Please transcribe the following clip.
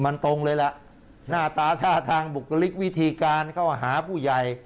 มันตรงเลยล่ะหน้าตาท่าทางบุคลิกวิธีการเข้าหาผู้ใหญ่